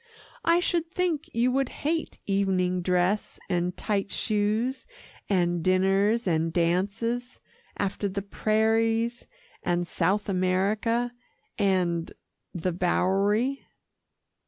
"I should think you would hate evening dress and tight shoes and dinners and dances, after the prairies and South America and the Bowery."